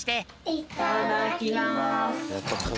いただきます！